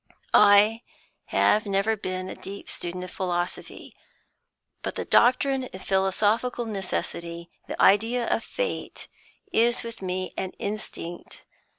I have never been a deep student of philosophy, but the doctrine of philosophical necessity, the idea of Fate, is with me an instinct.